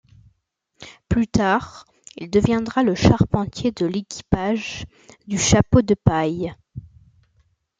Plus tard, il deviendra le charpentier de l'Équipage du chapeau de paille.